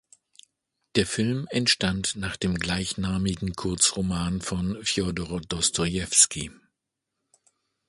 Der Film entstand nach dem gleichnamigen Kurzroman von Fjodor Dostojewski.